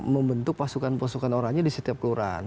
membentuk pasukan pasukan orangnya di setiap kelurahan